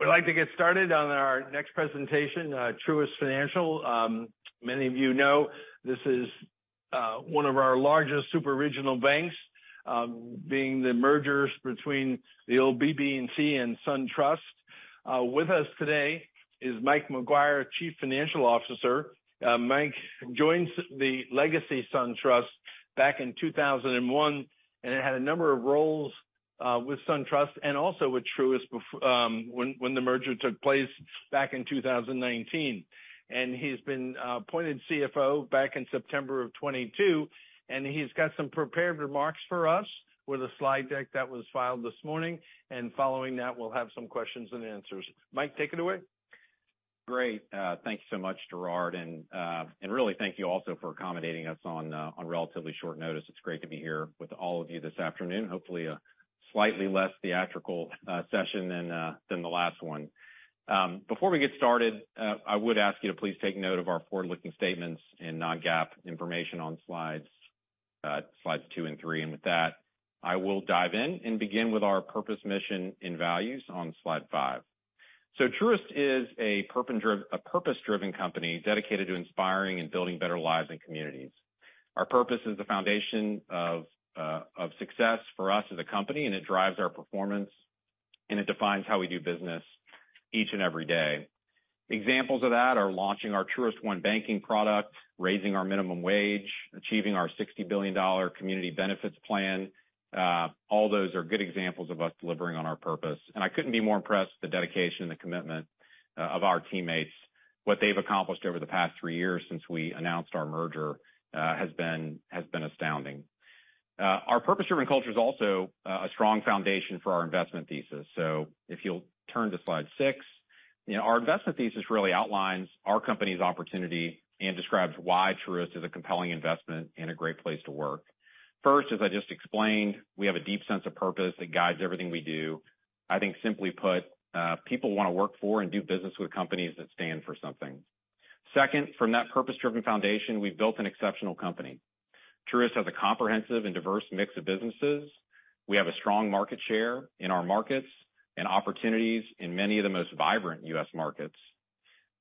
We'd like to get started on our next presentation, Truist Financial. Many of you know this is one of our largest super-regional banks, being the mergers between the old BB&T and SunTrust. With us today is Mike Maguire, Chief Financial Officer. Mike joined the legacy SunTrust back in 2001 and had a number of roles with SunTrust and also with Truist when the merger took place back in 2019. He's been appointed CFO back in September of 2022, and he's got some prepared remarks for us with a slide deck that was filed this morning. Following that, we'll have some questions and answers. Mike, take it away. Great. Thank you so much, Gerard. Really thank you also for accommodating us on relatively short notice. It's great to be here with all of you this afternoon. Hopefully a slightly less theatrical session than the last one. Before we get started, I would ask you to please take note of our forward-looking statements and non-GAAP information on slides two and three. With that, I will dive in and begin with our purpose, mission, and values on slide five. Truist is a purpose-driven company dedicated to inspiring and building better lives and communities. Our purpose is the foundation of success for us as a company, and it drives our performance, and it defines how we do business each and every day. Examples of that are launching our Truist One banking product, raising our minimum wage, achieving our $60 billion community benefits plan. All those are good examples of us delivering on our purpose. I couldn't be more impressed with the dedication and the commitment of our teammates. What they've accomplished over the past 3 years since we announced our merger has been astounding. Our purpose-driven culture is also a strong foundation for our investment thesis. If you'll turn to slide 6. You know, our investment thesis really outlines our company's opportunity and describes why Truist is a compelling investment and a great place to work. 1st, as I just explained, we have a deep sense of purpose that guides everything we do. I think simply put, people want to work for and do business with companies that stand for something. Second, from that purpose-driven foundation, we've built an exceptional company. Truist has a comprehensive and diverse mix of businesses. We have a strong market share in our markets and opportunities in many of the most vibrant U.S. markets.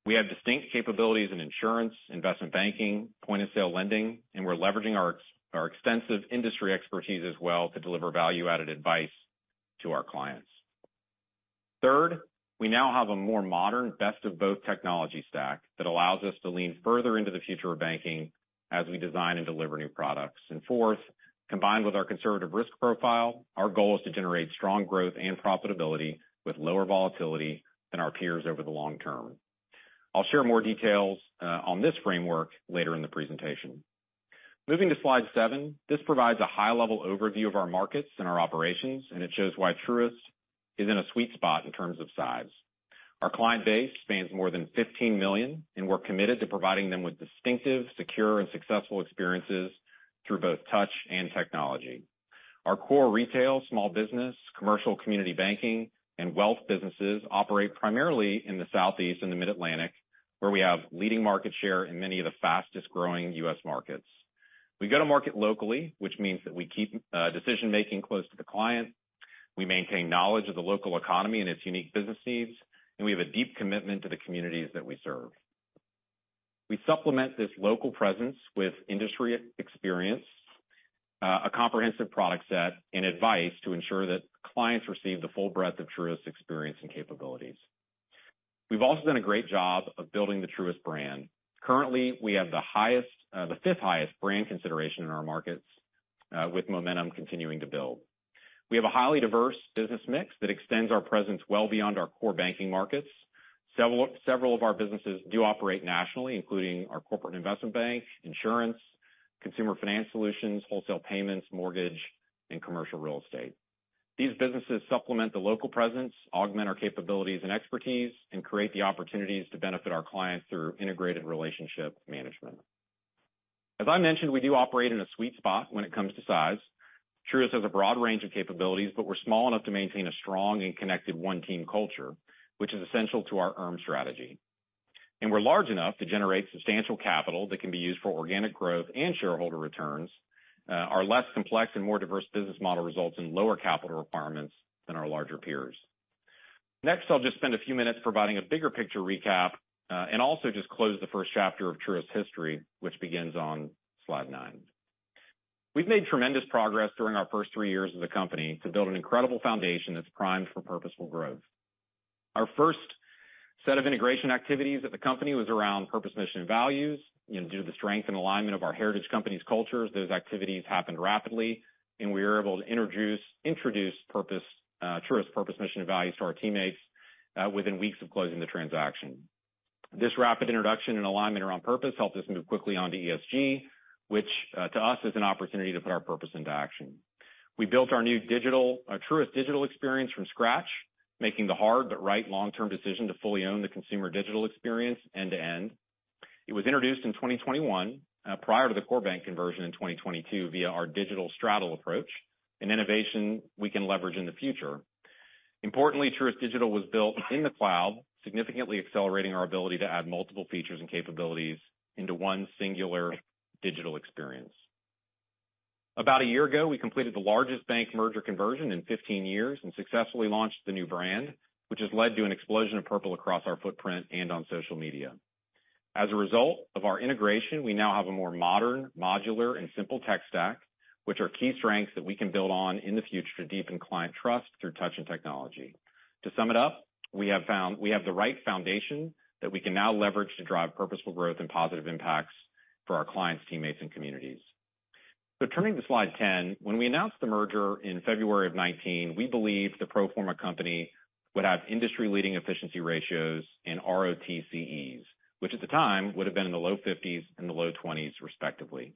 We have distinct capabilities in insurance, investment banking, point-of-sale lending, and we're leveraging our extensive industry expertise as well to deliver value-added advice to our clients. Third, we now have a more modern, best of both technology stack that allows us to lean further into the future of banking as we design and deliver new products. Fourth, combined with our conservative risk profile, our goal is to generate strong growth and profitability with lower volatility than our peers over the long term. I'll share more details on this framework later in the presentation. Moving to slide seven. This provides a high-level overview of our markets and our operations. It shows why Truist is in a sweet spot in terms of size. Our client base spans more than 15 million. We're committed to providing them with distinctive, secure, and successful experiences through both touch and technology. Our core retail, small business, commercial community banking, and wealth businesses operate primarily in the Southeast and the Mid-Atlantic, where we have leading market share in many of the fastest-growing U.S. markets. We go to market locally, which means that we keep decision-making close to the client. We maintain knowledge of the local economy and its unique business needs. We have a deep commitment to the communities that we serve. We supplement this local presence with industry experience, a comprehensive product set, and advice to ensure that clients receive the full breadth of Truist's experience and capabilities. We've also done a great job of building the Truist brand. Currently, we have the 5th highest brand consideration in our markets, with momentum continuing to build. We have a highly diverse business mix that extends our presence well beyond our core banking markets. Several of our businesses do operate nationally, including our corporate investment bank, insurance, consumer finance solutions, wholesale payments, mortgage, and commercial real estate. These businesses supplement the local presence, augment our capabilities and expertise, and create the opportunities to benefit our clients through integrated relationship management. As I mentioned, we do operate in a sweet spot when it comes to size. Truist has a broad range of capabilities, but we're small enough to maintain a strong and connected one-team culture, which is essential to our ERM strategy. We're large enough to generate substantial capital that can be used for organic growth and shareholder returns. Our less complex and more diverse business model results in lower capital requirements than our larger peers. Next, I'll just spend a few minutes providing a bigger picture recap, and also just close the 1st chapter of Truist's history, which begins on slide nine. We've made tremendous progress during our 1st three years as a company to build an incredible foundation that's primed for purposeful growth. Our 1st set of integration activities at the company was around purpose, mission, and values. You know, due to the strength and alignment of our heritage companies' cultures, those activities happened rapidly, and we were able to introduce Truist's purpose, mission, and values to our teammates within weeks of closing the transaction. This rapid introduction and alignment around purpose helped us move quickly onto ESG, which to us is an opportunity to put our purpose into action. We built our new digital Truist Digital experience from scratch, making the hard but right long-term decision to fully own the consumer digital experience end to end. It was introduced in 2021 prior to the core bank conversion in 2022 via our digital straddle approach, an innovation we can leverage in the future. Importantly, Truist Digital was built in the cloud, significantly accelerating our ability to add multiple features and capabilities into one singular digital experience. About a year ago, we completed the largest bank merger conversion in 15 years and successfully launched the new brand, which has led to an explosion of purple across our footprint and on social media. As a result of our integration, we now have a more modern, modular and simple tech stack, which are key strengths that we can build on in the future to deepen client trust through touch and technology. To sum it up, we have found we have the right foundation that we can now leverage to drive purposeful growth and positive impacts for our clients, teammates, and communities. Turning to slide 10. When we announced the merger in February of 2019, we believed the pro forma company would have industry-leading efficiency ratios and ROTCEs, which at the time would have been in the low 50s and the low 20s respectively.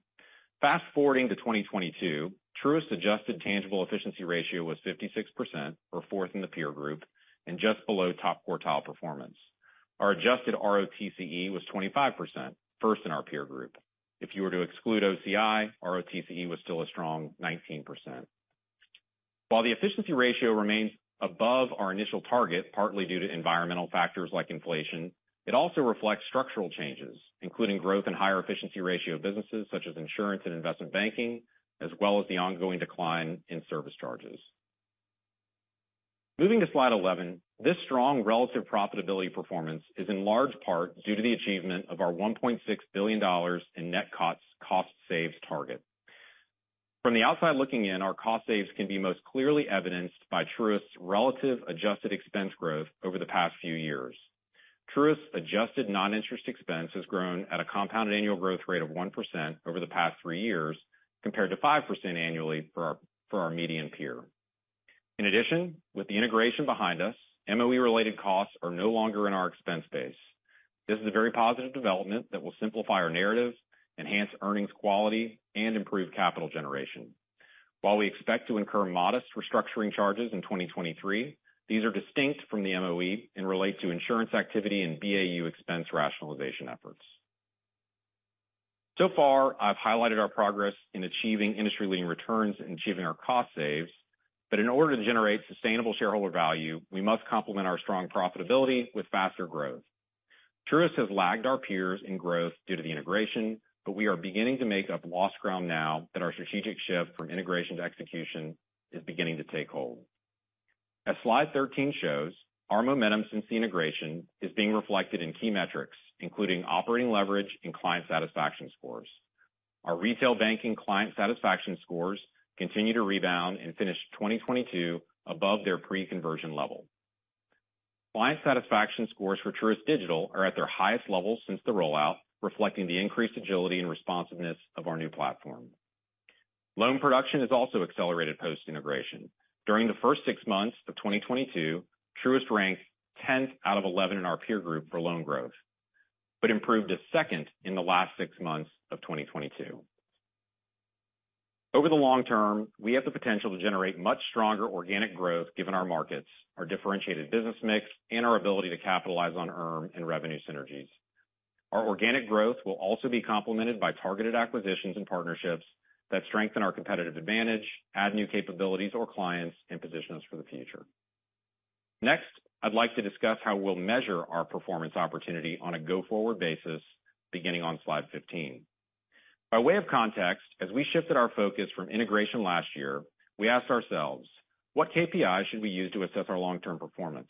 Fast-forwarding to 2022, Truist adjusted tangible efficiency ratio was 56% or 4th in the peer group and just below top quartile performance. Our adjusted ROTCE was 25%, 1st in our peer group. If you were to exclude OCI, ROTCE was still a strong 19%. While the efficiency ratio remains above our initial target, partly due to environmental factors like inflation, it also reflects structural changes, including growth and higher efficiency ratio businesses such as Insurance and Investment Banking, as well as the ongoing decline in service charges. Moving to slide 11. This strong relative profitability performance is in large part due to the achievement of our $1.6 billion in net cost saves target. From the outside looking in, our cost saves can be most clearly evidenced by Truist's relative adjusted expense growth over the past few years. Truist's adjusted non-interest expense has grown at a compounded annual growth rate of 1% over the past three years, compared to 5% annually for our median peer. In addition, with the integration behind us, MOE-related costs are no longer in our expense base. This is a very positive development that will simplify our narrative, enhance earnings quality, and improve capital generation. While we expect to incur modest restructuring charges in 2023, these are distinct from the MOE and relate to insurance activity and BAU expense rationalization efforts. So far, I've highlighted our progress in achieving industry-leading returns and achieving our cost saves. In order to generate sustainable shareholder value, we must complement our strong profitability with faster growth. Truist has lagged our peers in growth due to the integration, but we are beginning to make up lost ground now that our strategic shift from integration to execution is beginning to take hold. As slide 13 shows, our momentum since the integration is being reflected in key metrics, including operating leverage and client satisfaction scores. Our retail banking client satisfaction scores continue to rebound and finish 2022 above their pre-conversion level. Client satisfaction scores for Truist Digital are at their highest level since the rollout, reflecting the increased agility and responsiveness of our new platform. Loan production has also accelerated post-integration. During the 1st six months of 2022, Truist ranked 10th out of 11 in our peer group for loan growth but improved to 2nd in the last six months of 2022. Over the long term, we have the potential to generate much stronger organic growth given our markets, our differentiated business mix, and our ability to capitalize on earn and revenue synergies. Our organic growth will also be complemented by targeted acquisitions and partnerships that strengthen our competitive advantage, add new capabilities or clients, and position us for the future. Next, I'd like to discuss how we'll measure our performance opportunity on a go-forward basis beginning on slide 15. By way of context, as we shifted our focus from integration last year, we asked ourselves what KPIs should we use to assess our long-term performance?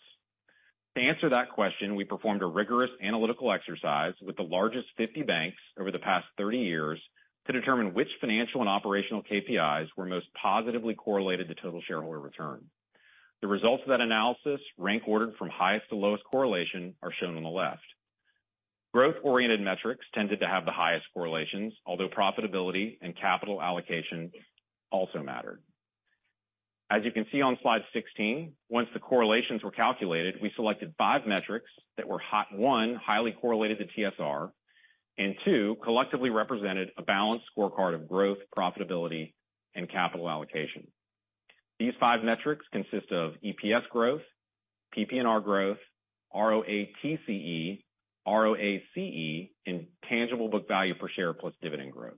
To answer that question, we performed a rigorous analytical exercise with the largest 50 banks over the past 30 years to determine which financial and operational KPIs were most positively correlated to total shareholder return. The results of that analysis rank ordered from highest to lowest correlation are shown on the left. Growth-oriented metrics tended to have the highest correlations, although profitability and capital allocation also mattered. As you can see on slide 16, once the correlations were calculated, we selected five metrics that were hot. One, highly correlated to TSR, and two, collectively represented a balanced scorecard of growth, profitability, and capital allocation. These five metrics consist of EPS growth, PPNR growth, ROATCE, ROACE, and tangible book value per share plus dividend growth.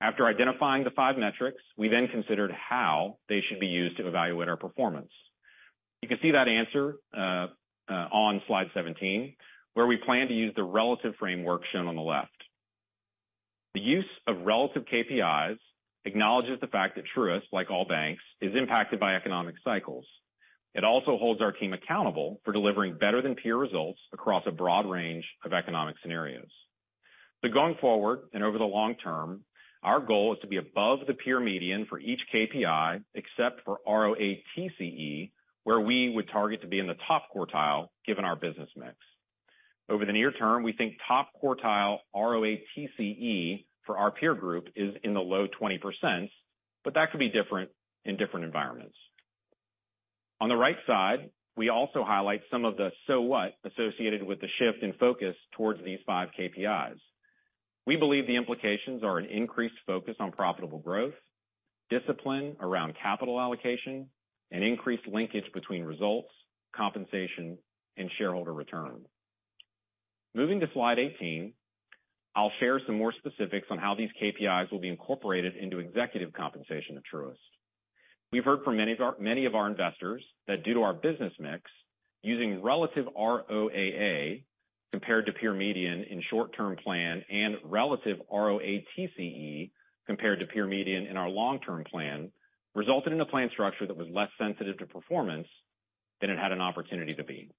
After identifying the five metrics, we then considered how they should be used to evaluate our performance. You can see that answer on slide 17, where we plan to use the relative framework shown on the left. The use of relative KPIs acknowledges the fact that Truist, like all banks, is impacted by economic cycles. It also holds our team accountable for delivering better-than-peer results across a broad range of economic scenarios. Going forward and over the long term, our goal is to be above the peer median for each KPI except for ROATCE, where we would target to be in the top quartile given our business mix. Over the near term, we think top quartile ROATCE for our peer group is in the low 20%, that could be different in different environments. On the right side, we also highlight some of the so what associated with the shift in focus towards these five KPIs. We believe the implications are an increased focus on profitable growth, discipline around capital allocation, and increased linkage between results, compensation, and shareholder return. Moving to slide 18, I'll share some more specifics on how these KPIs will be incorporated into executive compensation at Truist. We've heard from many of our investors that due to our business mix using relative ROAA compared to peer median in short-term plan and relative ROATCE compared to peer median in our long-term plan resulted in a plan structure that was less sensitive to performance than it had an opportunity to be.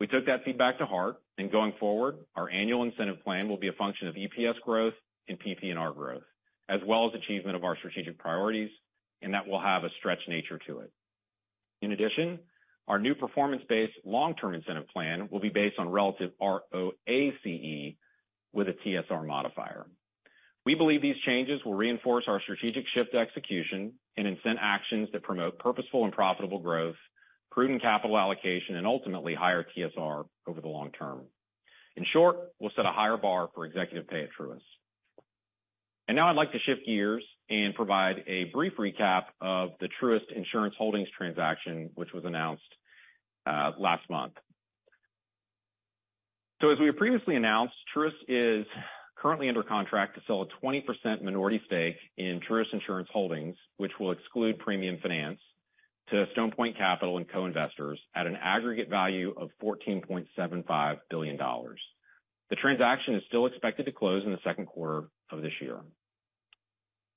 We took that feedback to heart and going forward, our annual incentive plan will be a function of EPS growth and PPNR growth, as well as achievement of our strategic priorities, and that will have a stretch nature to it. In addition, our new performance-based long-term incentive plan will be based on relative ROACE with a TSR modifier. We believe these changes will reinforce our strategic shift to execution and incent actions that promote purposeful and profitable growth, prudent capital allocation, and ultimately higher TSR over the long term. In short, we'll set a higher bar for executive pay at Truist. Now I'd like to shift gears and provide a brief recap of the Truist Insurance Holdings transaction, which was announced last month. As we previously announced, Truist is currently under contract to sell a 20% minority stake in Truist Insurance Holdings, which will exclude premium finance to Stone Point Capital and co-investors at an aggregate value of $14.75 billion. The transaction is still expected to close in the 2nd quarter of this year.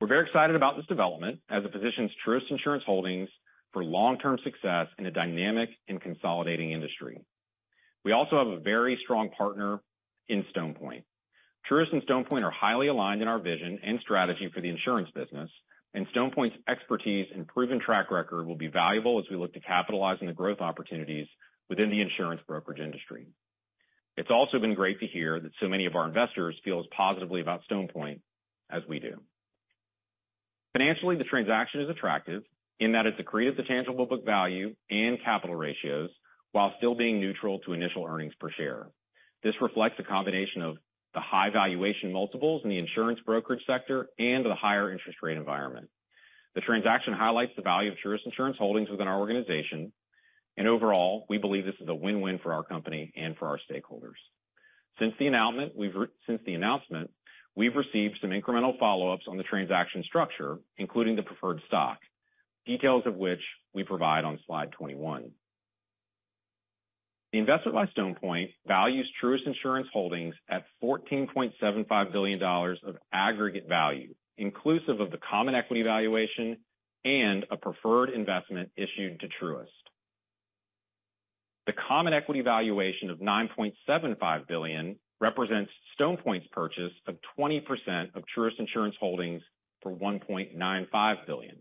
We're very excited about this development as it positions Truist Insurance Holdings for long-term success in a dynamic and consolidating industry. We also have a very strong partner in Stone Point. Truist and Stone Point are highly aligned in our vision and strategy for the insurance business, and Stone Point's expertise and proven track record will be valuable as we look to capitalizing the growth opportunities within the insurance brokerage industry. It's also been great to hear that so many of our investors feel as positively about Stone Point as we do. Financially, the transaction is attractive in that it's accretive to tangible book value and capital ratios while still being neutral to initial earnings per share. This reflects a combination of the high valuation multiples in the insurance brokerage sector and the higher interest rate environment. The transaction highlights the value of Truist Insurance Holdings within our organization, and overall, we believe this is a win-win for our company and for our stakeholders. Since the announcement, we've received some incremental follow-ups on the transaction structure, including the preferred stock, details of which we provide on slide 21. The investment by Stone Point values Truist Insurance Holdings at $14.75 billion of aggregate value, inclusive of the common equity valuation and a preferred investment issued to Truist. The common equity valuation of $9.75 billion represents Stone Point's purchase of 20% of Truist Insurance Holdings for $1.95 billion.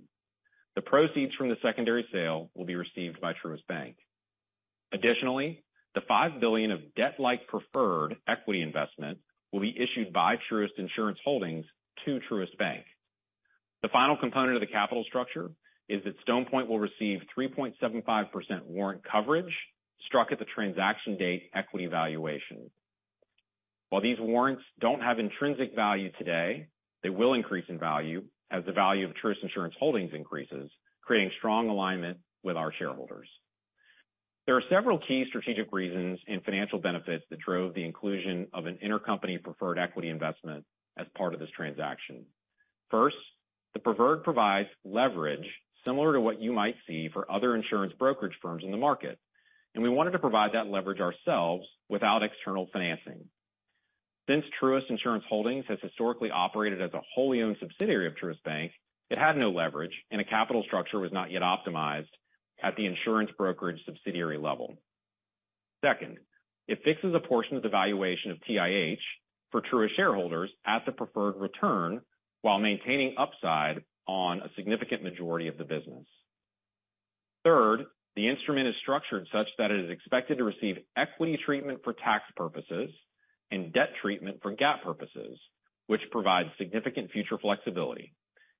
The proceeds from the secondary sale will be received by Truist Bank. Additionally, the $5 billion of debt-like preferred equity investment will be issued by Truist Insurance Holdings to Truist Bank. The final component of the capital structure is that Stone Point will receive 3.75% warrant coverage struck at the transaction date equity valuation. While these warrants don't have intrinsic value today, they will increase in value as the value of Truist Insurance Holdings increases, creating strong alignment with our shareholders. There are several key strategic reasons and financial benefits that drove the inclusion of an intercompany preferred equity investment as part of this transaction. The preferred provides leverage similar to what you might see for other insurance brokerage firms in the market, and we wanted to provide that leverage ourselves without external financing. Since Truist Insurance Holdings has historically operated as a wholly owned subsidiary of Truist Bank, it had no leverage, and a capital structure was not yet optimized at the insurance brokerage subsidiary level. It fixes a portion of the valuation of TIH for Truist shareholders at the preferred return while maintaining upside on a significant majority of the business. The instrument is structured such that it is expected to receive equity treatment for tax purposes and debt treatment for GAAP purposes, which provides significant future flexibility.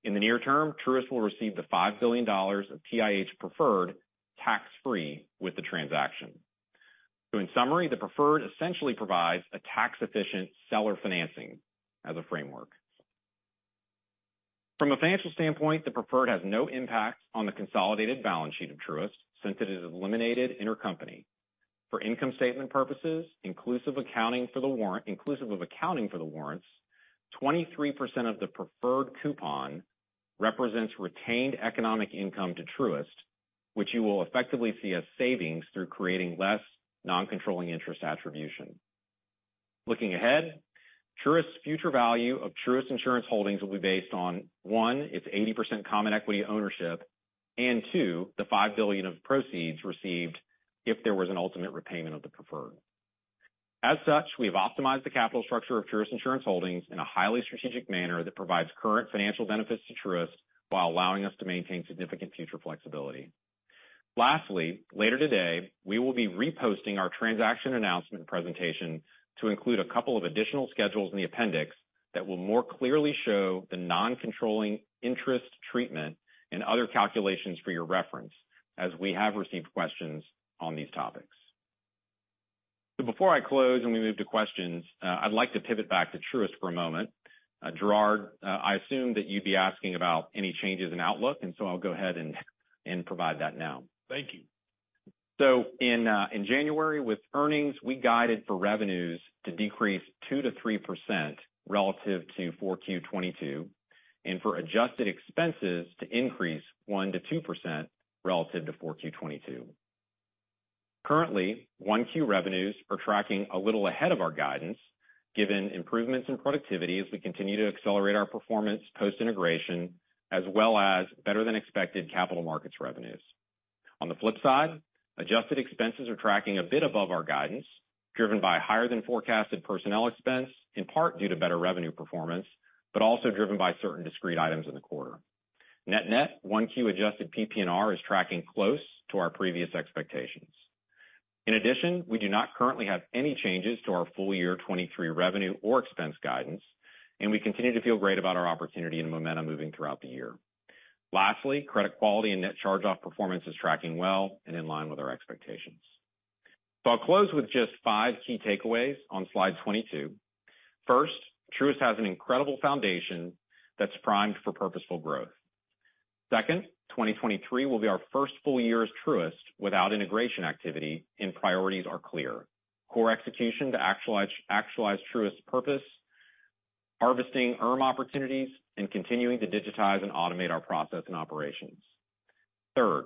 In the near term, Truist will receive the $5 billion of TIH preferred tax-free with the transaction. In summary, the preferred essentially provides a tax-efficient seller financing as a framework. From a financial standpoint, the preferred has no impact on the consolidated balance sheet of Truist since it is eliminated intercompany. For income statement purposes, inclusive of accounting for the warrants, 23% of the preferred coupon represents retained economic income to Truist, which you will effectively see as savings through creating less non-controlling interest attribution. Looking ahead, Truist's future value of Truist Insurance Holdings will be based on, one, its 80% common equity ownership, and two, the $5 billion of proceeds received if there was an ultimate repayment of the preferred. As such, we have optimized the capital structure of Truist Insurance Holdings in a highly strategic manner that provides current financial benefits to Truist while allowing us to maintain significant future flexibility. Lastly, later today, we will be reposting our transaction announcement presentation to include a couple of additional schedules in the appendix that will more clearly show the non-controlling interest treatment and other calculations for your reference, as we have received questions on these topics. Before I close and we move to questions, I'd like to pivot back to Truist for a moment. Gerard, I assume that you'd be asking about any changes in outlook, and so I'll go ahead and provide that now. Thank you. In January with earnings, we guided for revenues to decrease 2%-3% relative to 4Q 2022 and for adjusted expenses to increase 1%-2% relative to 4Q 2022. Currently, 1Q revenues are tracking a little ahead of our guidance given improvements in productivity as we continue to accelerate our performance post-integration as well as better than expected capital markets revenues. On the flip side, adjusted expenses are tracking a bit above our guidance, driven by higher than forecasted personnel expense, in part due to better revenue performance, but also driven by certain discrete items in the quarter. Net 1Q adjusted PPNR is tracking close to our previous expectations. In addition, we do not currently have any changes to our full year 2023 revenue or expense guidance. We continue to feel great about our opportunity and momentum moving throughout the year. Lastly, credit quality and net charge-off performance is tracking well and in line with our expectations. I'll close with just five key takeaways on slide 22. First, Truist has an incredible foundation that's primed for purposeful growth. Second, 2023 will be our 1st full year as Truist without integration activity and priorities are clear. Core execution to actualize Truist's purpose, harvesting earn opportunities, and continuing to digitize and automate our process and operations. Third,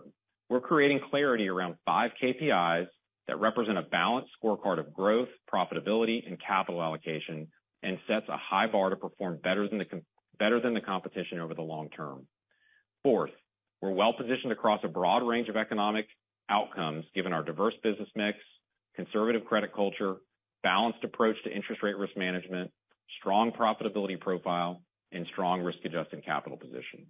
we're creating clarity around five KPIs that represent a balanced scorecard of growth, profitability and capital allocation, and sets a high bar to perform better than the competition over the long term. Fourth, we're well-positioned across a broad range of economic outcomes given our diverse business mix, conservative credit culture, balanced approach to interest rate risk management, strong profitability profile, and strong risk-adjusted capital position.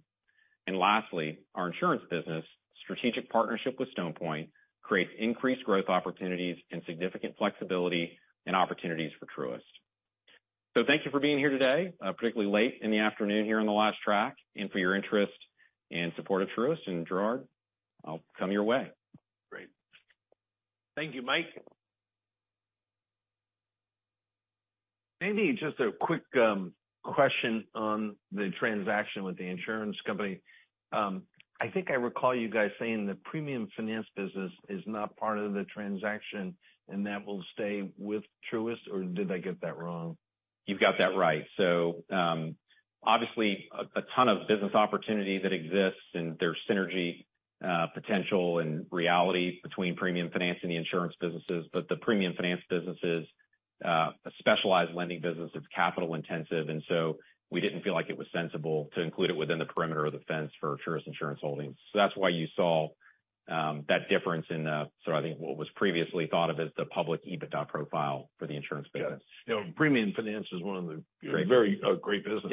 Lastly, our insurance business strategic partnership with Stone Point creates increased growth opportunities and significant flexibility and opportunities for Truist. Thank you for being here today, particularly late in the afternoon here on the last track and for your interest and support of Truist. Gerard, I'll come your way. Great. Thank you, Mike. Maybe just a quick question on the transaction with the insurance company. I think I recall you guys saying the premium finance business is not part of the transaction and that will stay with Truist, or did I get that wrong? You've got that right. Obviously, a ton of business opportunity that exists and there's synergy potential and reality between premium finance and the insurance businesses. The premium finance business is a specialized lending business. It's capital-intensive, we didn't feel like it was sensible to include it within the perimeter of the fence for Truist Insurance Holdings. That's why you saw that difference in sort of I think what was previously thought of as the public EBITDA profile for the insurance business. Yeah. You know, premium finance is one of the- Right.... very, great businesses.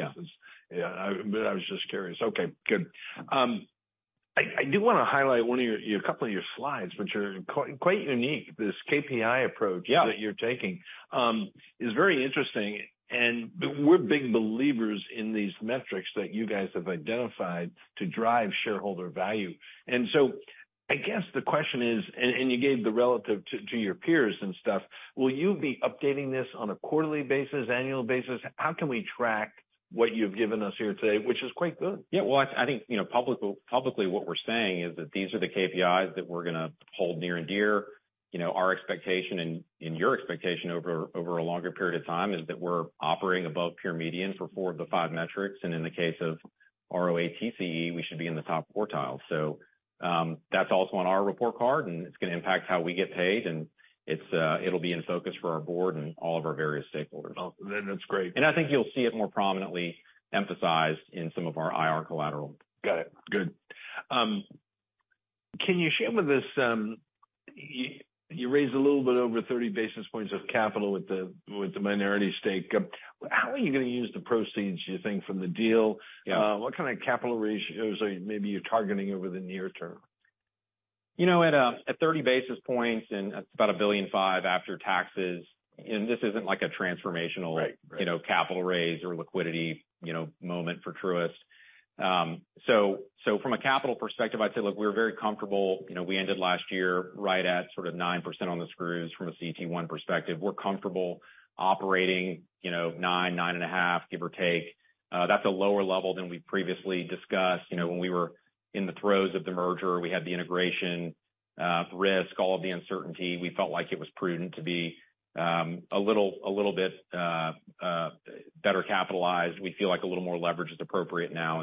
Yeah. Yeah. I was just curious. Okay, good. I do want to highlight one of your, a couple of your slides which are quite unique. This KPI approach- Yeah. That you're taking, is very interesting. We're big believers in these metrics that you guys have identified to drive shareholder value. I guess the question is, and you gave the relative to your peers and stuff, will you be updating this on a quarterly basis, annual basis? How can we track what you've given us here today, which is quite good? Yeah. Well, I think, you know, publicly, what we're saying is that these are the KPIs that we're going to hold near and dear. You know, our expectation and your expectation over a longer period of time is that we're operating above peer median for four of the five metrics. In the case of ROATCE, we should be in the top quartile. That's also on our report card, and it's going to impact how we get paid. It's, it'll be in focus for our board and all of our various stakeholders. Oh, that's great. I think you'll see it more prominently emphasized in some of our IR collateral. Got it. Good. Can you share with us, you raised a little bit over 30 basis points of capital with the minority stake. How are you going to use the proceeds, do you think, from the deal? Yeah. What kind of capital ratios are maybe you're targeting over the near term? You know, at 30 basis points that's about $1.5 billion after taxes, and this isn't like a transformational- Right. Right.... you know, capital raise or liquidity, you know, moment for Truist. From a capital perspective, I'd say, look, we're very comfortable. You know, we ended last year right at sort of 9% on the screws from a CET1 perspective. We're comfortable operating, you know, 9%, 9.5%, give or take. That's a lower level than we previously discussed. You know, when we were in the throes of the merger, we had the integration, risk, all of the uncertainty. We felt like it was prudent to be a little bit better capitalized. We feel like a little more leverage is appropriate now.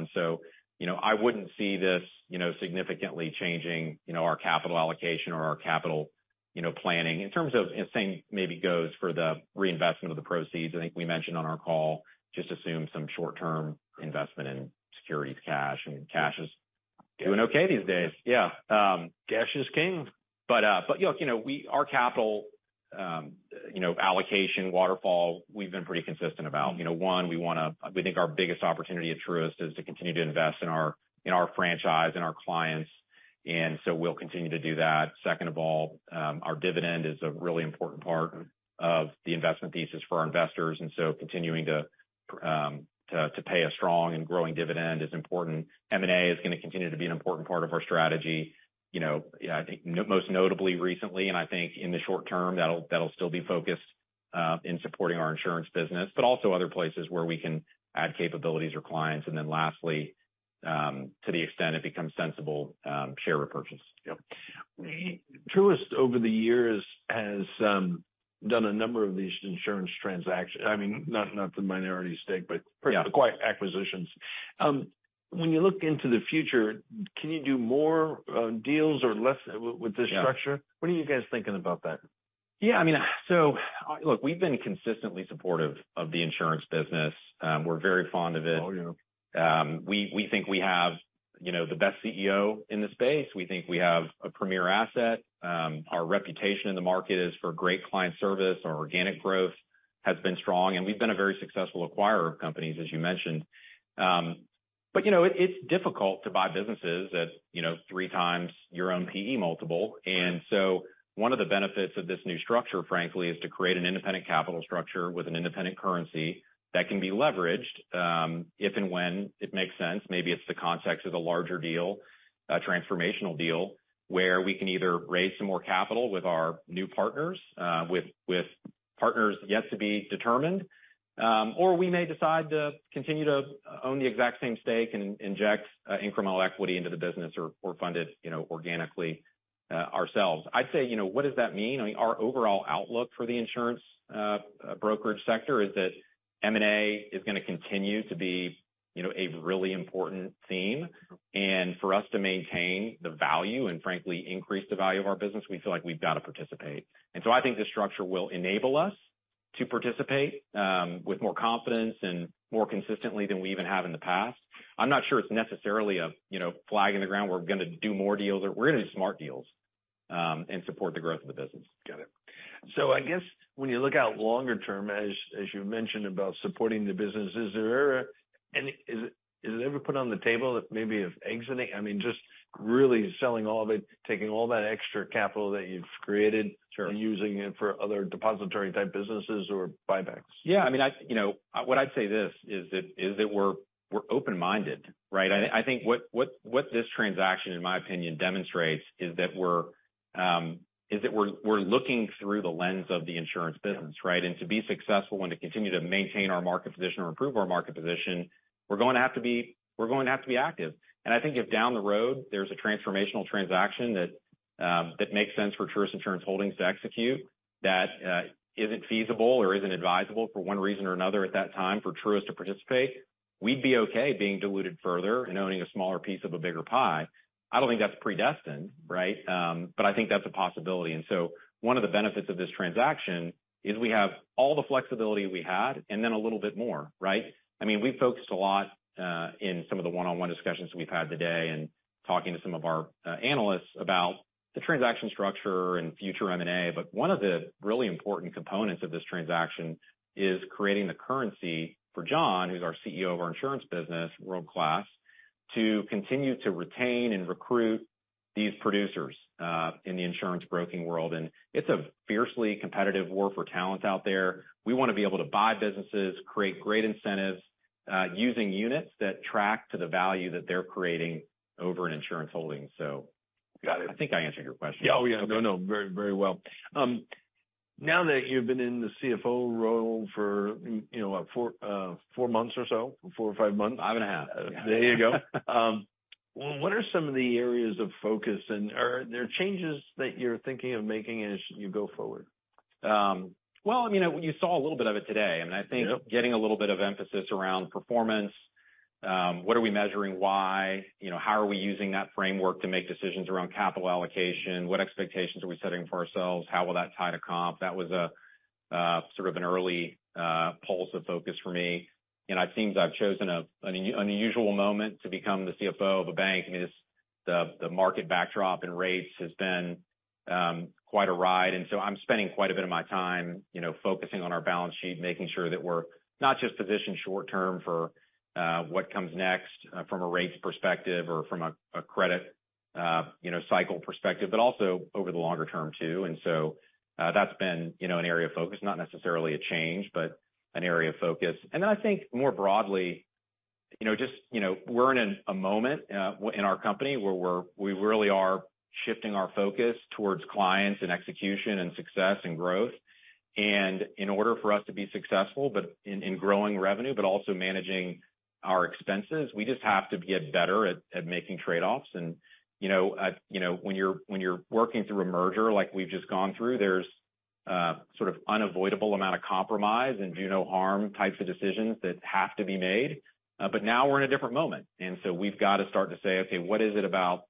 I wouldn't see this, you know, significantly changing, you know, our capital allocation or our capital, you know, planning. In terms of same maybe goes for the reinvestment of the proceeds. I think we mentioned on our call just assume some short-term investment in securities cash, and cash is doing okay these days. Yeah. cash is king. Look, our capital allocation waterfall, we've been pretty consistent about. One, we think our biggest opportunity at Truist is to continue to invest in our franchise and our clients, and so we'll continue to do that. Second of all, our dividend is a really important part of the investment thesis for our investors, and so continuing to pay a strong and growing dividend is important. M&A is going to continue to be an important part of our strategy. I think most notably recently, and I think in the short term that'll still be focused in supporting our insurance business, but also other places where we can add capabilities or clients. Lastly, to the extent it becomes sensible, share repurchase. Yep. Truist over the years has done a number of these insurance transactions. I mean, not the minority stake but- Yeah.... quite acquisitions. When you look into the future, can you do more, deals or less with this structure? Yeah. What are you guys thinking about that? I mean, look, we've been consistently supportive of the insurance business. We're very fond of it. Oh, yeah. We think we have, you know, the best CEO in the space. We think we have a premier asset. Our reputation in the market is for great client service. Our organic growth has been strong, and we've been a very successful acquirer of companies, as you mentioned. You know, it's difficult to buy businesses at, you know, 3x your own PE multiple. Right. One of the benefits of this new structure, frankly, is to create an independent capital structure with an independent currency that can be leveraged, if and when it makes sense. Maybe it's the context of a larger deal, a transformational deal, where we can either raise some more capital with our new partners, with partners yet to be determined, or we may decide to continue to own the exact same stake and inject incremental equity into the business or fund it, you know, organically, ourselves. I'd say, you know, what does that mean? I mean, our overall outlook for the insurance brokerage sector is that M&A is going to continue to be, you know, a really important theme. For us to maintain the value and frankly, increase the value of our business, we feel like we've got to participate. I think this structure will enable us to participate, with more confidence and more consistently than we even have in the past. I'm not sure it's necessarily a, you know, flag in the ground, we're going to do more deals. We're going to do smart deals and support the growth of the business. Got it. I guess when you look out longer term, as you mentioned about supporting the business, is it ever put on the table that maybe of exiting? I mean, just really selling all of it, taking all that extra capital that you've created- Sure.... and using it for other depository type businesses or buybacks? Yeah, I mean, I, you know. What I'd say this, is that we're open-minded, right? I think what this transaction, in my opinion, demonstrates is that we're looking through the lens of the insurance business, right? To be successful, want to continue to maintain our market position or improve our market position, we're going to have to be active. I think if down the road, there's a transformational transaction that makes sense for Truist Insurance Holdings to execute, that isn't feasible or isn't advisable for one reason or another at that time for Truist to participate, we'd be okay being diluted further and owning a smaller piece of a bigger pie. I don't think that's predestined, right? But I think that's a possibility. One of the benefits of this transaction is we have all the flexibility we had and then a little bit more, right? I mean, we focused a lot in some of the one-on-one discussions we've had today and talking to some of our analysts about the transaction structure and future M&A. One of the really important components of this transaction is creating the currency for John, who's our CEO of our Insurance business, world-class, to continue to retain and recruit these producers in the insurance broking world. It's a fiercely competitive war for talent out there. We want to be able to buy businesses, create great incentives, using units that track to the value that they're creating over in Insurance Holdings. Got it. I think I answered your question. Oh, yeah. No, very well. now that you've been in the CFO role for, you know, four months or so, four or five months. 5.5. There you go. What are some of the areas of focus and are there changes that you're thinking of making as you go forward? Well, I mean, you saw a little bit of it today and I think- Yep.... getting a little bit of emphasis around performance. What are we measuring? Why? You know, how are we using that framework to make decisions around capital allocation? What expectations are we setting for ourselves? How will that tie to comp? That was a sort of an early pulse of focus for me. You know, it seems I've chosen an unusual moment to become the CFO of a bank. I mean, this, the market backdrop and rates has been quite a ride. I'm spending quite a bit of my time, you know, focusing on our balance sheet, making sure that we're not just positioned short term for what comes next from a rates perspective or from a credit, you know, cycle perspective, but also over the longer term too. That's been, you know, an area of focus. Not necessarily a change, but an area of focus. I think more broadly, you know, just, you know, we're in a moment in our company where we really are shifting our focus towards clients and execution and success and growth. In order for us to be successful, but in growing revenue, but also managing our expenses, we just have to get better at making trade-offs. You know, you know, when you're working through a merger like we've just gone through, there's sort of unavoidable amount of compromise and do no harm types of decisions that have to be made. Now we're in a different moment, we've got to start to say, okay, what is it about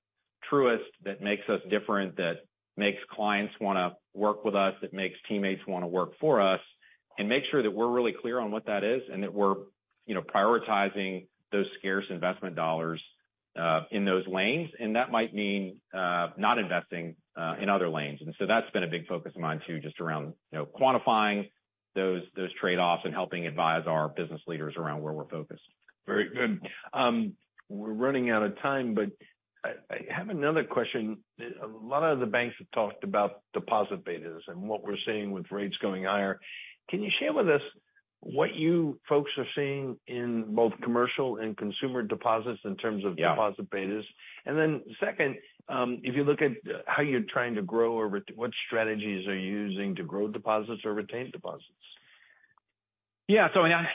Truist that makes us different, that makes clients want to work with us, that makes teammates want to work for us, and make sure that we're really clear on what that is, and that we're, you know, prioritizing those scarce investment dollars in those lanes. That might mean not investing in other lanes. That's been a big focus of mine too, just around, you know, quantifying those trade-offs and helping advise our business leaders around where we're focused. Very good. We're running out of time, but I have another question. A lot of the banks have talked about deposit betas and what we're seeing with rates going higher. Can you share with us, what you folks are seeing in both commercial and consumer deposits in terms of deposit betas. Yeah. Second, if you look at how you're trying to grow or what strategies are you using to grow deposits or retain deposits? Yeah.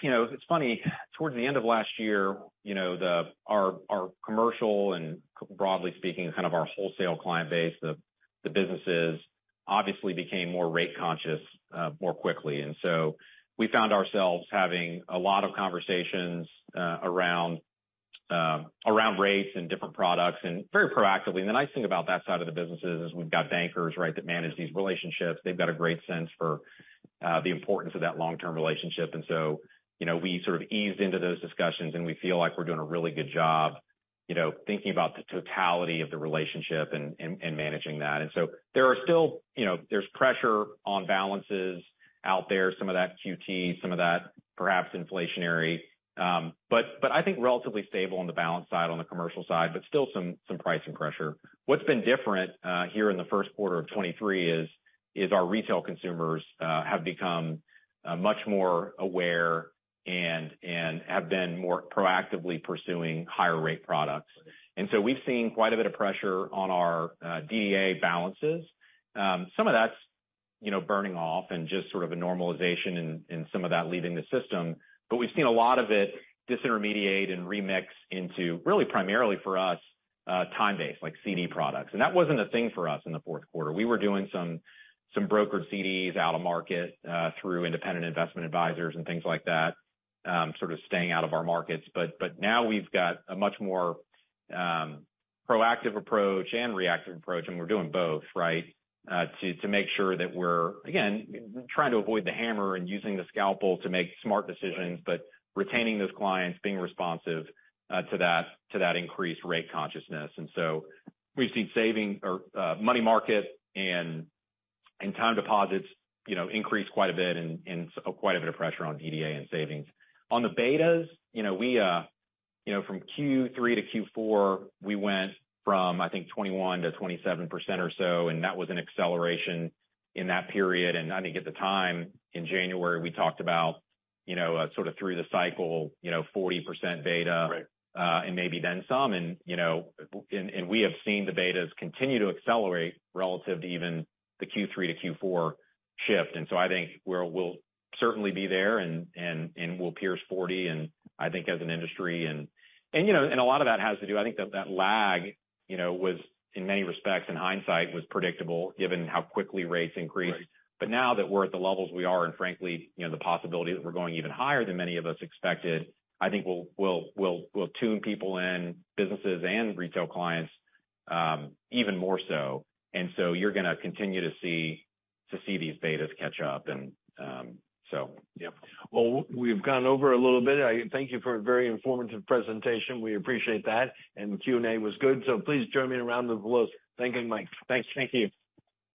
You know, it's funny. Towards the end of last year, you know, our commercial and broadly speaking, kind of our wholesale client base, the businesses obviously became more rate conscious, more quickly. We found ourselves having a lot of conversations around rates and different products and very proactively. The nice thing about that side of the business is we've got bankers, right, that manage these relationships. They've got a great sense for the importance of that long-term relationship. You know, we sort of eased into those discussions, and we feel like we're doing a really good job, you know, thinking about the totality of the relationship and managing that. There are still, you know, there's pressure on balances out there, some of that QT, some of that perhaps inflationary. I think relatively stable on the balance side, on the commercial side, but still some pricing pressure. What's been different here in the 1st quarter of 2023 is our retail consumers have become much more aware and have been more proactively pursuing higher rate products. We've seen quite a bit of pressure on our DDA balances. Some of that's, you know, burning off and just sort of a normalization in some of that leaving the system. We've seen a lot of it disintermediate and remix into really primarily for us, time-based, like CD products. That wasn't a thing for us in the 4th quarter. We were doing some brokered CDs out of market through independent investment advisors and things like that, sort of staying out of our markets. Now we've got a much more proactive approach and reactive approach, and we're doing both, right? To make sure that we're, again, trying to avoid the hammer and using the scalpel to make smart decisions, but retaining those clients, being responsive to that increased rate consciousness. So we've seen saving or money market and time deposits, you know, increase quite a bit and quite a bit of pressure on DDA and savings. On the betas, you know, we, you know, from Q3 to Q4, we went from, I think, 21%-27% or so, and that was an acceleration in that period. I think at the time in January, we talked about, you know, sort of through the cycle, you know, 40% beta. Right. Maybe then some. You know, and we have seen the betas continue to accelerate relative to even the Q3 to Q4 shift. I think we'll certainly be there and we'll pierce 40 and I think as an industry. You know, a lot of that has to do, I think, that lag, you know, was in many respects in hindsight was predictable given how quickly rates increased. Right. Now that we're at the levels we are and frankly, you know, the possibility that we're going even higher than many of us expected, I think we'll tune people in, businesses and retail clients, even more so. You're going to continue to see these betas catch up and so. Yeah. Well, we've gone over a little bit. I thank you for a very informative presentation. We appreciate that. The Q&A was good. Please join me in a round of applause. Thanking Mike. Thanks. Thank you.